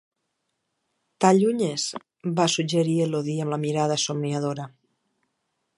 "T'allunyes", va suggerir Elodie amb la mirada somniadora.